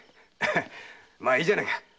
まあいいじゃねえか。